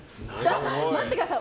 待ってください。